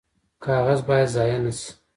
کاغذ باید ضایع نشي